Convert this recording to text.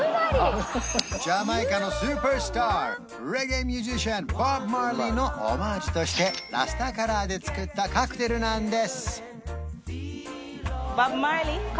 ジャマイカのスーパースターレゲエミュージシャンボブ・マーリーのオマージュとしてラスタカラーで作ったカクテルなんです